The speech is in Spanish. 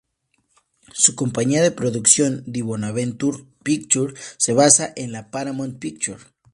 Su compañía de producción di Bonaventura Pictures se basa en la Paramount Pictures.